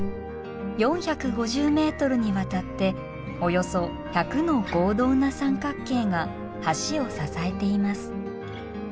４５０ｍにわたっておよそ１００の合同な三角形が橋を支えています。